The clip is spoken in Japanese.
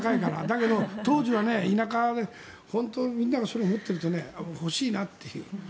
だけど、当時は田舎でみんながそれを持ってると欲しいなっていう。